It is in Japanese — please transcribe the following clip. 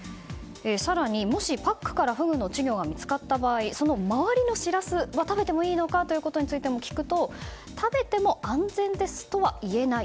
更に、もしパックからフグの稚魚が見つかった場合回りのシラスは食べてもいいのかについても聞くと食べても安全ですとは言えない。